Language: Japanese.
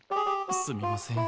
すみません。